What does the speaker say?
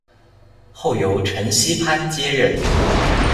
后由陈熙潘接任。